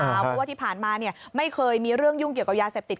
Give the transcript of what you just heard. เพราะว่าที่ผ่านมาไม่เคยมีเรื่องยุ่งเกี่ยวกับยาเสพติด